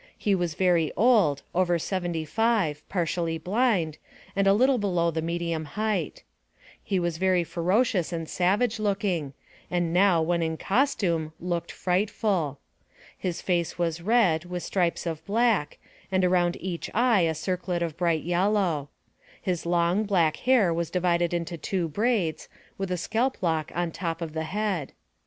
He was very old, over seventy five, partially blind, and a little below the medium height. He was very ferocious and savage looking, and now, when in costume, looked frightful. His face was red, with stripes of black, and around each eye a circlet of bright yellow. His long, black hair was divided into two braids, with a scalp lock on top of the head.